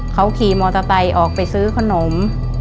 เขาขี่มอเตอร์ไซค์ออกไปซื้อขนม